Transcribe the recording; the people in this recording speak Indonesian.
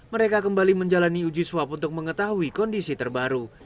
mereka kembali menjalani uji swab untuk mengetahui kondisi terbaru